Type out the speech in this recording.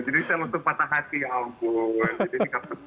jadi saya lutut patah hati ya allah